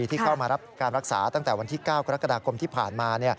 ที่เข้ามารับการรักษาตั้งแต่วันที่๙กรกฎาคมที่ผ่านมา